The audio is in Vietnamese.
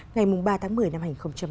ngày ba tháng một mươi năm hai nghìn hai mươi